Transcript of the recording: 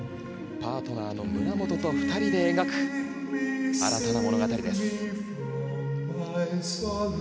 パートナーの村元と２人で描く新たな物語です。